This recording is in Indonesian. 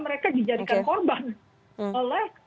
mereka dijadikan korban oleh